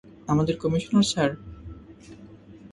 আমাদের commissioner sir?